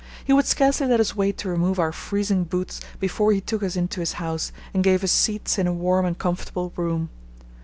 He would scarcely let us wait to remove our freezing boots before he took us into his house and gave us seats in a warm and comfortable room.